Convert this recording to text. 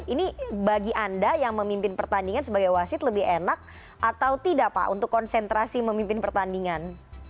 ini bagi anda yang memimpin pertandingan sebagai wasit lebih enak atau tidak pak untuk konsentrasi memimpin pertandingan